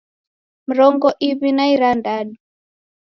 Mrongo iw'i na irandadu